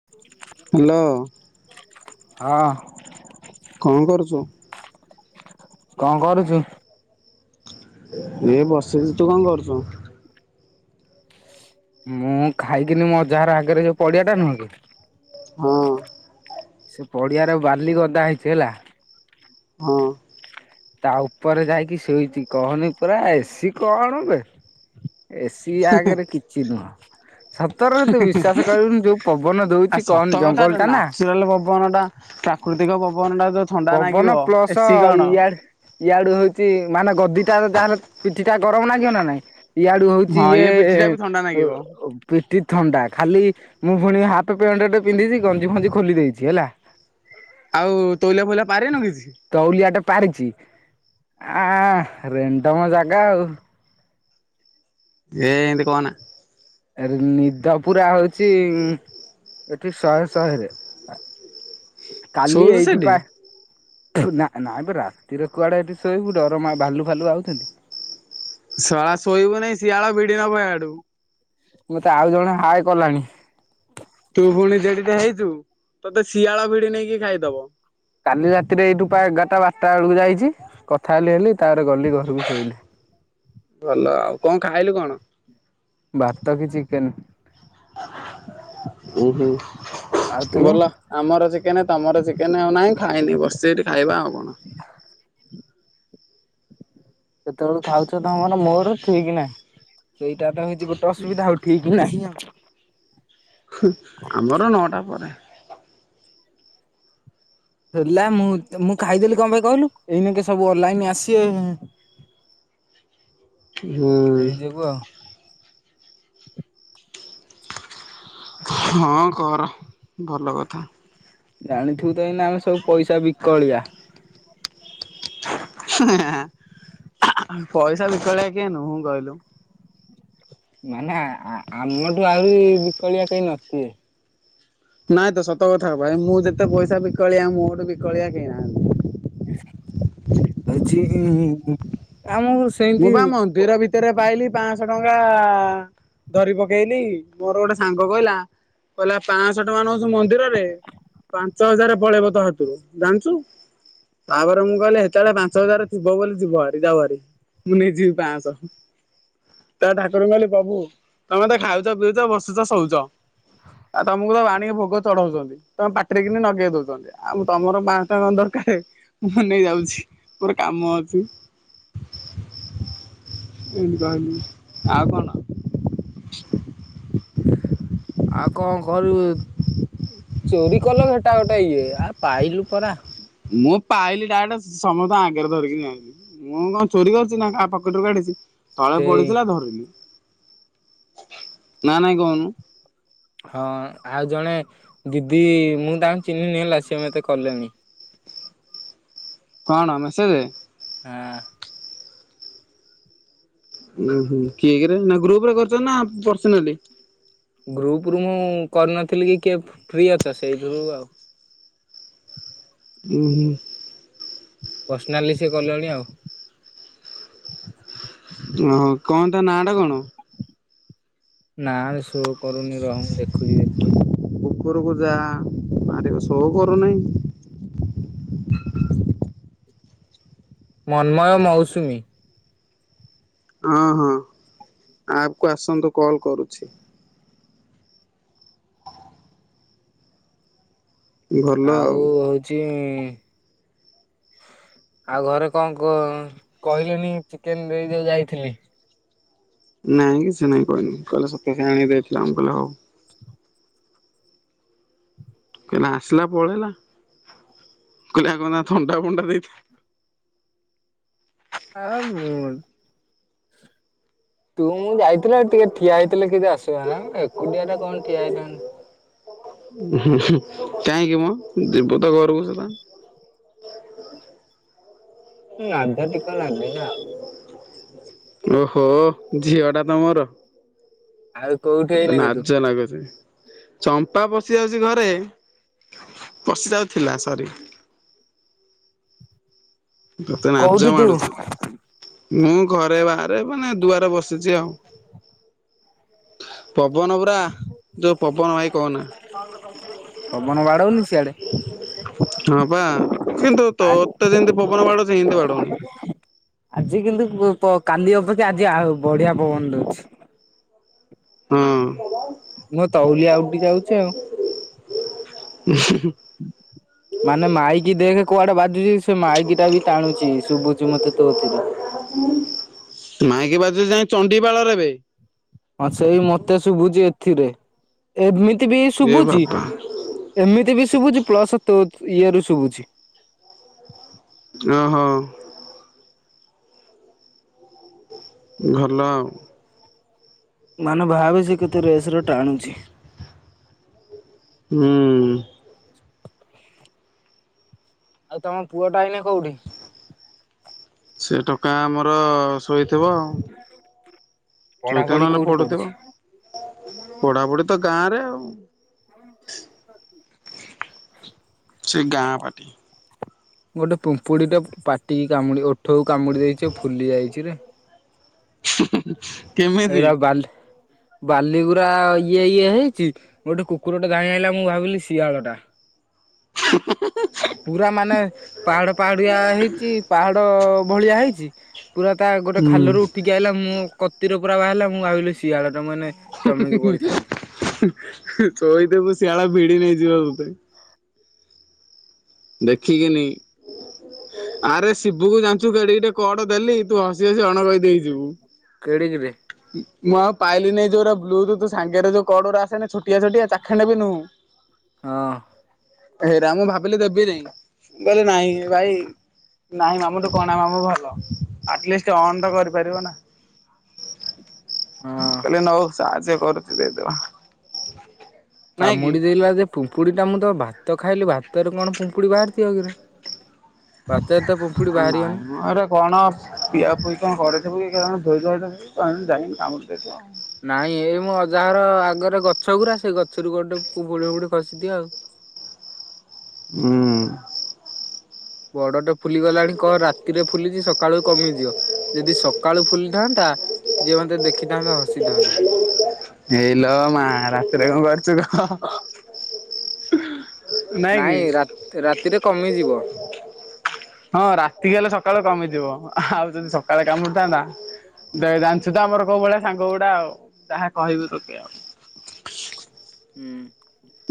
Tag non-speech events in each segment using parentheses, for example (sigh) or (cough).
(unintelligible) Hello. ହଁ। କଣ କରୁଛୁ? କଣ କରୁଚୁ? ଏଇ ବସିଚି। ତୁ କଣ କରୁଚୁ? ମୁଁ ଖାଇକିନି ମୋ ଅଜାହର ଘର ଆଗରେ ଯୋଉ ପଡ଼ିଆ ଟା ନୁହଁ କି ମୁଁ ସେ ପଡ଼ିଆରେ ବାଲି ଗଦା ହେଇଛି ହେଲା। ମୁଁ ତା ଉପରେ ଯାଇକି ଶୋଇଛି। କହନି ପରା ଏସି କଣ ବେ। ଏସି ଇଆ ଆଗରେ କିଛି ନୁହଁ। ସ ତରରେ ତୁ ବିଶ୍ୱସ କରିବୁନି ଯଉ ପବନ ଦଉଚି କହନି ଜଙ୍ଗଲଟା ନା। (unintelligible) ପବନଟା। ପ୍ରାକୃତିକ ପବନଟା ତ ପବନ ପ୍ଲସ୍ ଇଆଡ଼େ ଇଆଡୁ ହଉଛି ମାନେ ଗଦିଟା ଯାହେଲେ ପିଠି ଟା ଗରମ୍ ଲାଗିବ ନା ନାଇଁ? ଇଆଡୁ ହଉଛି ହଁ ଇଏ ପିଠି ଟା ବି ଥଣ୍ଡା ଓ ନାଗିବ ଓ ପିଠି ଥଣ୍ଡା। ଖାଲି ମୁଁ ପୁଣି ହାଫ୍ ପେଣ୍ଟଟେ ପିନ୍ଧିଛି ଗଞ୍ଜି ଫଞ୍ଜି ଖୋଲି ଦେଇଛି ହେଲା। ଆଉ ତୋଉଲିଆ ଫୋଉଲିଆ ପାରିନ କିଛି? ତଉଲିଆଟେ ପାରିଚି। ଆ ରେଣ୍ଡମ ଜାଗା ଆଉ। ୟେ ଏନ୍ତେ କହନା। ଏରେ ନିଦ ପୁରା ହଉଚି ଉଁ ଏଠି ଶହେ ଶହେରେ। କାଲି ଶୋଉଛୁ ଏଇଠି ସେଠି ପା ନା, ନାଇଁବେ ରାତିରେ କୁଆଡେ ଏଠି ଶୋଇବୁ ଡ଼ର ମା ଭାଲୁ ଫାଲୁ ଆଉଛନ୍ତି। ଶଳା ଶୋଇବୁନେଇ ଶିଆଳ ଭଡି ନ ହିଆଡୁ। ମତେ ଆଉ ଜଣେ ହାଏ କଲାଣି। ତୁ ଫୁଣି ଯେଡ଼ିଟେ ହେଇଛୁ ତତେ ଶିଆଳ ଭିଡି ନେଇକି ଖାଇଦବ। କାଲି ରାତିରେ ଏଇଠୁପା ଏଗାରଟା ବାରଟା ବେଳକୁ ଯାଇଛି। କଥା ହେଲି ହେଲି ତାପରେ ଗଲି ଘରକୁ ଶୋଇଲି। ଭଲ ଆଉ। କଣ ଖାଇଲୁ କଣ? ଭାତ କି ଚିକେନ। ଉହୁଁ, ଆଉ ତୁ ଗଲ? ଆମର ଚିକେନ। ତମର ଚିକେଣ ଆଉ। ନାଇଁ ଖାଇନି ବସିଚି ଏଇଠି ଖାଇବା ଆଉ କଣ। (inaudible) କେତେବେଳୁ ଖାଉଛ ତମମାନେ? ମୋର ଠିକି ନାଇଁ। ସେଇଟା ତ ହଇଛି ଗୋଟେ ଅସୁବିଧା ହଉଛି। ଠିକ ନାହିଁ ଆଉ। ଆମର ନଅଟା ପରେ। ହେଲା ମୁଁ -ମୁଁ ଖାଇଦେଲି କଣ ପାଇଁ କହିଲୁ? ଏଇନେକେ ସବୁ ଅନଲାଇନ ଆସିବେ। (inaudible) ହୁଁ। ଥିବୁ ଆଉ। ହଁ କର। ଭଲ କଥା। ଜାଣିଥିବୁ ତ ଏଇନା ଆମେ ସବୁ ପଇସା ବିକଳିଆ। ପଇସା ବିିକଳିଆ କିଏ ନୁହୁଁ କହିଲୁ? ମାନେ ଆ -ଆ -ଆମଠୁ ଆହୁରି ବିକଳିଆ କେହି ନଥିବେ। ନାଇଁ ତ ସତ କଥା ଭାଇ ମୁଁ ଯେତେ ପଇସା ବିକଳିଆ ମୋଠୁ ବିକଳିଆ କେହି ନାହାନ୍ତି। ହଉଚି ଉ ଆମକୁ ଶି ମୁଁ ବା ମନ୍ଦିର ଭିତରେ ପାଇଲି ପାଞ୍ଚଶହ ଟଙ୍କା। ଧରି ପକେଇଲି। ମୋର ଗୋଟେ ସାଙ୍ଗ କହିଲା କହିଲା ପାଞ୍ଚଶହ ଟଙ୍କା ନଉଛୁ ମନ୍ଦିରରେ? ପାଞ୍ଚ ହଜାର ପଳେଇବ ତୋ ହାତରୁ। ଜାଣିଛୁ? ତାପରେ ମୁଁ କହିଲି ହେତେବେଳେ ପାଞ୍ଚ ହଜାର ଥିବ ବୋଲି ଯିବହାରି, ଯାଉହାରି। ମୁଁ ନେଇଯିବି ପାଞ୍ଚଶହ। ତ ଠାକୁରଙ୍କୁ କହିଲି ପ୍ରଭୂ ତମେ ତ ଖାଉଚ, ପିଉଚ, ବସୁଚ, ଶୋଉଚ। ଆଉ ତମକୁ ତ ଆଣିକି ଭୋଗ ଚଢଉଛନ୍ତି। ତମେ ପାଟିରେ କିିନି ଲଗେଇ ଦଉଛନ୍ତି ଆଉ ତମର ପାଞ୍ଚ ଶହ ଟଙ୍କା ଦରକାରେ ମୁଁ ହଁ ନେଇ ଯାଉଛି ପୋର କାମ ଅଛି। ଏଇ ଯଇନି ଆଉ କଣ? ଆଉ କଣ କରିବିତ? ଉଁ ଚେରି କଲ ଘେଟା ଗୋଟା ଇଏ ଆଉ ପାଇଲୁ ପରା ମୁଁ ପାଇଲି ଡାଟ ସମସ୍ତ ଆଗରେ ଧରିକି ଯାଇଁଲି। ମୁଁ କଣ ଚୋରି କରୁଛି ନା କାହା ପକେଟ ରୁ କାଢିଛି। ତଳେ ସେଇ ପଡିଥିଲା ଧରିଲି ନା ନାଇଁ କହୁନୁ? ହଁ ଆଉ ଜଣେ ଦିଦି ମୁଁ ତାଙ୍କୁ ଚିହ୍ନିନି ହେଲା ସିଏ ମତେ କଲେଣି। କଣ ମେସେଜ? ହଁ ଉଁ ହୁଁ କିଏ କିରେ ନା ଗ୍ରୁପରେ କରିଛ ନା ପର୍ସନାଲି? ଗ୍ରୁପ ରୁ ମୁଁ କରିନଥିଲି କି କିଏ ଫ୍ରି ଅଛ ସେଇଥିରୁ ଆଉ। ହୁଁ ହୁଁ ପର୍ସନାଲି ସିଏ କଲେଣି ଆଉ। ଅଁ କଣ ତା ନାଁ ଟା କଣ? ନା ସୋ କରୁନି ରହ ମୁଁ ଦେଖୁଛି ଦେଖିବା। ଉପରକୁ ଯା ମାରିବ ସୋ କରୁନାହିଁ। ମନ୍ମୟ ମୌସୁମୀ। ହଁ ହଁ ଆପକୁ ଆସନ୍ତୁ କଲ୍ କରୁଛି। ହ (unintelligible) ଆଉ ହଉଛି ଆଉ ଘରେ କଣ କ କହିଲେନି ଚିକେନ ଦେଇ ଯଉ ଯାଇଥିଲି। ନାଇଁ କିଛି ନାଇଁ କହନି କହିଲେ ସତ୍ଯ କାଆଣି ଦେଇଥିଲା ମୁଁ କହିଲି ହଉ। କହିଲା ଆସିଲା ପଳେଇଲା କହିଲେ କଣ ଥଣ୍ଡା ଫଣ୍ଡା ଦେଇଥା ହାଳ ମୁଁନ ତୁ ମୁଁ ଯାଇଥିଲ ଟିକେ ଠିଆ ହେଇଥିଲେ କିଛି ଅସୁବିଧା ନା ଏକୁଟିଆ ଟା କଣ ଠିଆ ହେଇଥାନ୍ତ ହୁଁ ହୁଁ କାହିଁକି ମ ଯିବୁ ତ ଘରକୁ ସଳା। ଇଁ ଲାଜଟିକେ ଲାଗେ ନା। ଓହୋ ଝିଅ ଟା ତ ମୋର। ଆଉ କୋଉଠି? ତତେ ଏଇନାକେ ତୁ? ଲାଜ ଲାଗୁଛି। ଚମ୍ପା ପଶି ଯାଉଛି ଘରେ ପଶି ଯାଉଥିଲା ସରି। ତତେ ନାଜ କୋଉଠି ତୁ? ମାଡୁଛି ମୁଁ ଘରେ ବା। ସେ ମାନେ ଦୁଆରେ ବସିଛି ଆଉ। ପବନ ପୁରା ଯୋଉ ପବନ ଭାଇ କହନା। ପବନ ବାଡୋଉନି? ହଁ ବା କିନ୍ତୁ ତୋତେ ଯେମିତି ପବନ ବାଡୋଉଛି ଏମତି ବାଡୋଉନି। ଆଜି କିନ୍ତୁ କୁ ପ କାଲି ଅପେକ୍ଷା ଆଜି ଆଉ ବଢିଆ ପବନ ଦଉଛି। ହଁ ମୋ ତଉଲିଆ ଉଡି ଯାଉଛି ଆଉ। ମାନେ ମାଇକି ଦେଖ କୁଆଡେ ବାଜୁଜିସି? ସେ ମାଇକିଟା ବି ଟାଣୁଛି ଶୁଭୁଛି ମତେ ତୋଥିରେ। ମାଇକି ବାଜୁଛି ଯାଇଁ ଚଣ୍ଡିପାଳରେ ବେ। ହଁ ସେଇ ମତେ ଶୁଭୁଛି ଏଥିରେ, ଏମିତି ବି ଏ ଶୁଭୁଛି। ବାବା ଏମିତି ବି ଶୁଭୁଛି ପ୍ଲସ୍ ତୋତ୍ ଇଏରୁ ଶୁଭୁଛି। ଓହୋ। ଭଲ ଆଉ। ମାନେ ଭାବେ ସେ କେତେ ରେସ୍ ର ଟାଣୁଛି। ହୁଁ ହ ଆଉ ତମ ପୁଅଟା ଏଇନେ କୋଉଠି? ସେ ଟୋକା ଆମର ଶୋଇଥିବ ଆଉ, ଶୋଇଥିବ ପଢାପଢି ନହେଲେ କୋଉଠି ପଢୁଥିବ। ଆଉ (unintelligible) ସେ ଗାଁ ପାଠି। ଗୋଟେ ପିମ୍ପୁଡିଟେ ପାଟିକି କାମୁଡି ଓଠକୁ କାମୁଡି ଦେଇଛି ଆଉ ଫୁଲି ଯାଇଛିରେ। (inaudible) (inaudible) ଏଇରା ବାଲି ବାଲିଗୁରା ଇଏ ଇଏ ହେଇଛି ଗୋଟେ କୁକୁରଟେ ଧାଇଁ ଆଇଲା ମୁଁ ଭାବିଲି ଶିଆଳଟା। (unintelligible) ପୁରା ମାନେ ପାହାଡ଼ ପାହାଡ଼ିଆ ହେଇଛି ପାହାଡ଼ ଭଳିଆ ହେଇଛି। ପୁରା ତା ଗୋଟେ ହୁଁ ଖାଲରୁ ଉଠିକି ଆଇଲା ମୁଁ କତିରେ ପୁରା ବାହାରିଲା ମୁଁ ଭାବିଲି ଶିଆଳଟା ମାନେ ଶୋଇଥିବୁ ଶିଆଳ ଭିଡି ନେଇଯିବ ତୋତେ। ଦେଖିକିନି ଆରେ ଶିବୁକୁ ଜାଣିଛୁ କେଡ଼ିକିଟେ କର୍ଡ଼ ଦେଲି ତୁ ହସି ହସି ଅଣକଏଦି ହେଇଯିବୁ। କେଡ଼ିିକିଟେ? ମୁଁ ଆଉ ପାଇଲି ନେଇ ଯୋଉରା ବ୍ଲୁଥ୍ ତୋ ସାଙ୍ଗରେ ଯୋଉ କର୍ଡ଼ଉରା ଆସେନି ଛୋଟିଆ ଛୋଟିଆ ଚାଖେଣ୍ଡେ ବି ନୁହୁଁ। ହଁ ହେରା ମୁଁ ଭାବିଲି ଦେବିନେଇ କହିଲେ ନାଇଁ ଭାଇ ନାହିଁ ମାମୁଁଟୁ କଣା ମାମୁଁ ଭଲ, ଆଟଲିଷ୍ଟ ଅନ୍ ତ କରିପାରିବ ନା। ହଁ କହିଲେ ନୋଉ ସାହାଜଯ୍ୟ କରଚି ଦେଇଦବ। କାମୁଡି ଦେଇଲା ଯେ ପୁମ୍ପୁଡିଟା ମୁଁ ତ ଭାତ ଖାଇଲି ଭାତରେ କଣ ପୁମ୍ପୁଡି ବାହାରିଥିବ କିରେ? ଭାତରେ ତ ପିମ୍ପୁଡି ନାଇଁ ବାହାରିବନି। ମୁଁ ଏରା କଣ ପିଆ ପୁଇ କଣ ଘରେ ଥିବୁ କି କାରଣ ଯେ ଯୁଆଡେ (unintelligible) ନାଇଁ ଏଇ ମୁଁ ଅଜାହର ଆଗରେ ଗଛ ଗୁରା ସେଇ ଗଛରୁ ଗୋଟେ ଫୁହୁଡି ଫୁଡି ଖସିଦିଏ ଆଉ। ହୁଁ ବଡଟେ ଫୁଲିଗଲାଣି କଣ ରାତିରେ ଫୁଲିଛି ସକାଳୁ କମିଯିବ। ଯଦି ସକାଳୁ ଫୁଲିଥାଆନ୍ତା ଯିଏ ମତେ ଦେଖିଥାଆନ୍ତା ହସିଥାଆନ୍ତା। ଏଇଲୋ ମା ରାତିରେ କଣ କରୁଛୁ କହ? ନାଇଁ ରାତ୍ ରାତିରେ କମିଯିବ। ହଁ ରାତିକି ହେଲେ ସକାଳୁ କମିଯିବ, ଆଉ ଯଦି ସକାଳେ କାମୁଡ଼ିଥାନ୍ତା ଦେ ଜାଣିଛୁ ତ ଆମର କୋଉ ଭଳିଆ ସାଙ୍ଗଗୁଡା ଆଉ ଯାହା କହିବେ ତତେ ଆଉ। ହୁଁ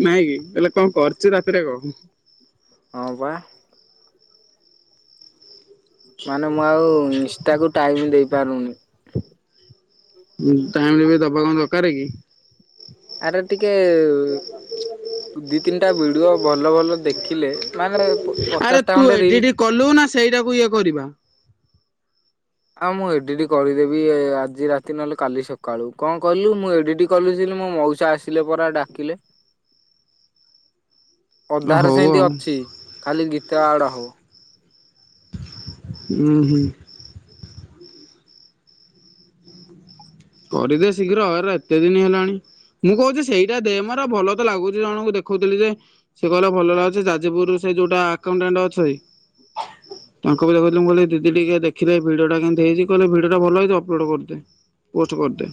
ନାଇଁ କି ତାହେଲେ କଣ କରୁଛୁ ରାତିରେ କହ? ହଁ ପା। ମାନେ ମୁଁ ଆଉ ଇନ୍ଷ୍ଟାକୁ ଟାଇମ ଦେଇପାରୁନି ଉଁ ଟାଇମ୍ ବି ଦବା କଣ ଦରକାର କି? ଆରେ ଟିକେ ଉ-ଉ (unintelligible) ଦି ତିନିଟା ଭିଡିଓ ଭଲ ଭଲ ଦେଖିଲେ ମାନେ ପ ଆରେ ପଚାଶ୍ ଟା ତୁ ଖଣ୍ଡେ ରିଲ୍ ଏଡିଟ କଲୁ ନା ସେଇଟାକୁ ଇଏ କରିବା। ଆଉ ମୁଁ ଏଡିଟି କରିଦେବି ଏ ଆଜି ରାତି ନହେଲେ କାଲି ସକାଳୁ କଁ କହିଲୁ ମୁଁ ଏଡିଟି କଲି (unintelligible) ମୋ ମଉସା ଆସ୍ ଥିଲେ ପରା ଡାକିଲେ। ଅଧାରେ ହଉ ସେନ୍ତି ଆଉ ଅଛି ଖାଲି ଗୀତ ଆଡ୍ ହବ। ଉୁଁ ହୁଁ। କରିଦେ ଶୀଘ୍ର ଏରା ଏତେ ଦିନି ହେଲାଣି। ମୁଁ କହୁଚି ସେଇଟା ଦେ ମୋର ଭଲ ତ ଲାଗୁଚି ଜଣଙ୍କୁ ଦେଖଉଥିଲି ଯେ ସେ କହିଲା ଭଲ ଲାଗୁଚି ଯାଜପୁରୁ ସେ ଯୋଉଟା ଆକାଉଣ୍ଟାଣ୍ଟ୍ ଅଛି ତାଙ୍କୁ ବି ଦେଖଉଥିଲି ମୁଁ କହିଲି ଦିଦି ଟିକେ ଦେଖିଲେ ଏ ଭିଡିଓ ଟା କେନ୍ତି ହେଇଚି କଇଲେ ଭିଡିଓ ଟା ଭଲ ହେଇଚି ଅପଲୋଡ଼ କରିଦେ। ପୋଷ୍ଟ କର୍ ଦେ।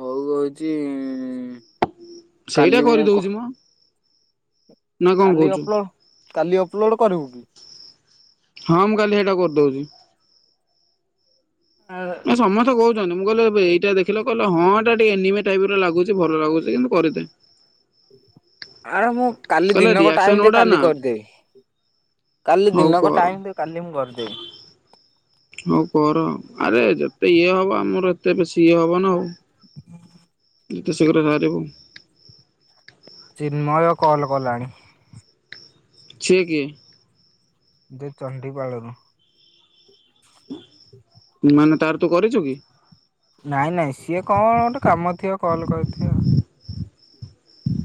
ହଉ କହୁଚି ଇଁ-ଇଁ-ଇଁ ସେଇଟା କରି ଦଉଚି ମ। ନା କଣ କାଲି କହୁଛୁ ଅପ୍ଲୋ କାଲି ଅପଲୋଡ୍ କରିବୁ କି? ହଁ ମୁଁ କାଲି ହେଇଟା କର୍ ଦଉଚି। ନା ସମସ୍ତେ କହୁ (unintelligible) ମୁଁ କହିଲି ଏଇଟା ଦେଖିଲ କହିଲ ହଁ ଏଟା ଟିକେ ଏନିମେ ଟାଇପ୍ ର ଲାଗୁଚି ଭଲ ଲାଗୁଚି କିନ୍ତୁ କରିଦେ। ଆଏ ମୁଁ ସ କାଲି କହିଲେ ଦିନକ ରିଆକ୍ସନ ଟାଇମ୍ ଦେ ଗୁଡା କାଲି ନା କର୍ ଦେବ କାଲି ହଉ ଦିନକ କର। ଟାଇମ୍ ଦେ କାଲି ମୁଁ କରଦେବି। ହଉ କର ଆରେ ଯେତେ ଇଏ ହବ ଆମର ଏତେ ବେଶୀ ଇଏ ହବ ନା ଆଉ। (unintelligible) ଯେତେ ଶୀଘ୍ର ବଖଆରିବୁ। ଚିନ୍ମୟ କଲ୍ କଲାଣି। ଛିଏ କିଏ? ଯେ ଚଣ୍ଡିପାଳରୁ। ମାନେ ତାର ତୁ କରିଚୁ କି? ନାଇଁ ନାଇଁ ସିଏ କଁ ଗୋଟେ କାମ ଥିବ କଲ୍ କରିଥିବ।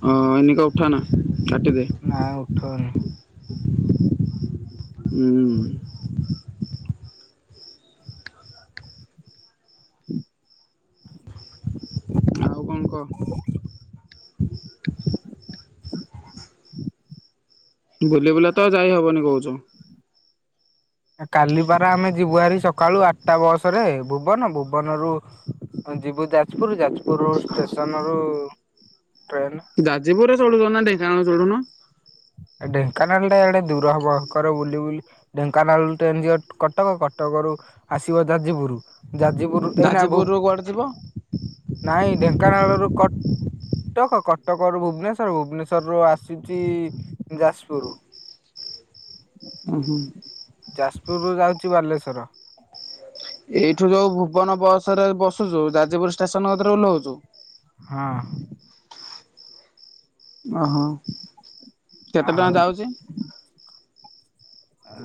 ହ ଏଇନେକେ ଉଠା ନା କାଟି ଦେ। ନା ଉଠଉନି। ଉଁ। ଆଉ କଁ କ? ବୁଲି ବୁଲା ତ ଯାଇ ହବନି କହୁଚୁ। ଏ କାଲି ପାରା ଆମେ ଯିବୁ ହେରି ସକାଳୁ ଆଠ୍ ଟା ବସ୍ ରେ ଭୁବନ ଭୁବନରୁୁ ଅଁ ଯିବୁ ଯାଜପୁର୍ ଯାଜପୁର୍ ଷ୍ଟେସନ ରୁ ଟ୍ରେନ ଯାଜପୁରରେ ଚଢୁଛ ନା ଢେଙ୍କାନାଳ ଚଢୁନ? ଏଁ ଢେଙ୍କାନାଳ ଟା ଏଇଡେ ଦୂର ହବ ହେକରେ ବୁଲି ବୁଲି ଢେଙ୍କାନାଳରୁ ଟ୍ରେନ୍ ଯିବ କଟକ କଟକ ରୁ ଆସିବ ଯାଜପୁରୁ। ଯାଜପୁରୁ ଏଇନା ଭୁ ଯାଜପୁରରୁ କୁଆଡେ ଯିବ? ନାଇଁ ଢେଙ୍କାନାଳରୁ କ ଟକ କଟକ ର ଭୁବନେଶ୍ଵର ଭୁବନେଶ୍ବର ରୁ ଆସୁଚି ଯାସ୍ପୁରୁ। ଅଁ ହଁ। ଯାଜପୁର୍ ରୁ ଯାଉଚି ବାଲେଶ୍ଵର। ଏଇଠୁ ଯୋଉ ଭୁବନ ବସ୍ ରେ ବସୁଚୁ ଯାଜପୁର୍ ଷ୍ଟେସନରେ ଗତିରେ ଓହ୍ଲଉଚୁ। ହଁ। ଓହୋ କେତେ ଟଙ୍କା ଆଉ ଯାଉଚି? ଅ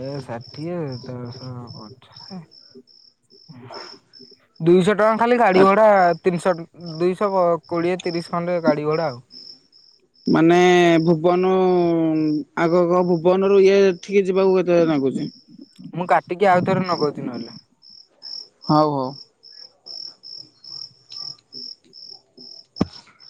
ଏ ଷାଠିଏ ଦଶ ପଚାଶେ। ଦୁଇଶ ଟଙ୍କା ଖାଲି ଗାଡି ଭଡା ତିନିଶ ଟ ଉଁ ଉଁ ଦୁଇଶ କୋଡିଏ ତିରିଶ ଖଣ୍ଡେ ଗାଡି ଭଡା ଆଉ। ମାନେ ଭୁବନ ଉଁ ଆଗ କହ ଭୁବନରୁ ଇଏ ଏଠିକି ଯିବାକୁ କେତେ (unintelligible) ନାଗୁଚି। ମୁଁ କାଟିକି ଆଉ ଥେରେ ନଗଉଚି ନହେଲେ। ହଉ ହଉ।